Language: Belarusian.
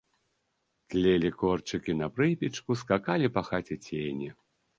Тлелі корчыкі на прыпечку, скакалі па хаце цені.